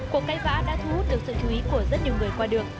cuộc cây vã đã thu hút được sự chú ý của rất nhiều người qua đường